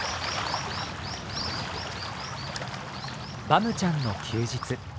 バムちゃんの休日。